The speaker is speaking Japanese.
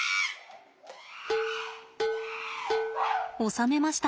収めました。